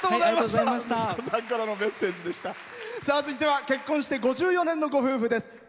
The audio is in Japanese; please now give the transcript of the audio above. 続いては結婚して５４年のご夫婦です。